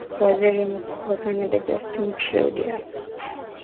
Waziri mkuu wa Canada Justin Trudeau